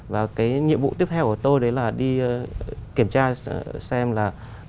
và cái nhiệm vụ tiếp theo của tôi đấy là đi kiểm tra xem là